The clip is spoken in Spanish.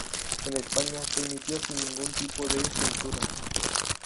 En España se emitió sin ningún tipo de censura.